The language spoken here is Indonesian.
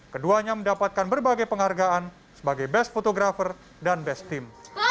keduanya mendapatkan berbagai penghargaan sebagai best photographer dan best team